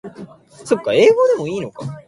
The Wagon itself could fly.